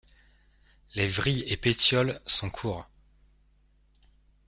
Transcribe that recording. Les vrilles et pétioles sont courts.